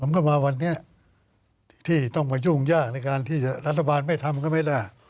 ก็มาวันนี้ที่ต้องมายุ่งยากในการที่รัฐบาลไม่ทำก็ไม่ได้